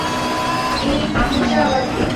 এই আপদটা আবার কে?